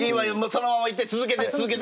そのままいって続けて続けて。